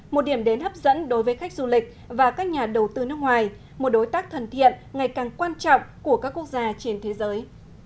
một điểm đến hấp dẫn đối với khách du lịch và các nhà đầu tư nước ngoài một đối tác thân thiện ngày càng quan trọng của các quốc gia trên thế giới